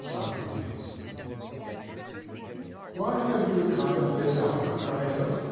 SOCRATES: Why have you come at this hour, Crito?